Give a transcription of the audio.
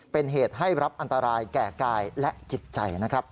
เป็นเหตุให้รับอันตรายแก่กายและจิตใจนะครับ